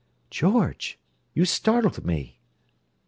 "George! You startled me."